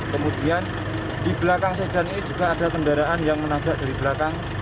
kemudian di belakang sedan ini juga ada kendaraan yang menabrak dari belakang